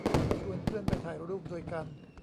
ชวนเพื่อนไปถ่ายรูปด้วยกัน